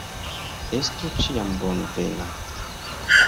Estu ĉiam bonvena!